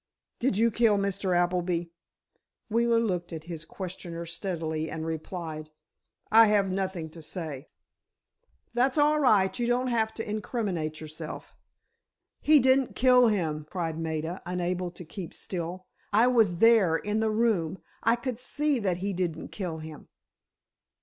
"Did you kill Mr. Appleby?" Wheeler looked at his questioner steadily, and replied: "I have nothing to say." "That's all right, you don't have to incriminate yourself." "He didn't kill him!" cried Maida, unable to keep still. "I was there, in the room—I could see that he didn't kill him!"